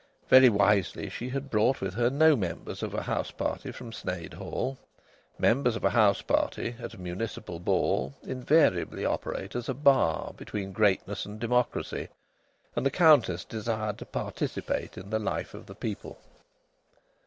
Very wisely she had brought with her no members of a house party from Sneyd Hall. Members of a house party, at a municipal ball, invariably operate as a bar between greatness and democracy; and the Countess desired to participate in the life of the people.